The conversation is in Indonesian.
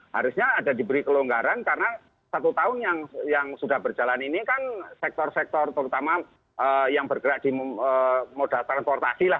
harusnya ada diberi kelonggaran karena satu tahun yang sudah berjalan ini kan sektor sektor terutama yang bergerak di modal transportasi lah